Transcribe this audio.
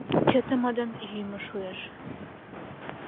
Чытыдымын йӱмӧ шуэш.